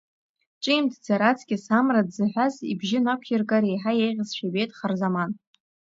Ҿимҭӡар аҵкьыс, Амра дзыҳәаз ибжьы нақәиргар еиҳа еиӷьызшәа ибеит Харзаман.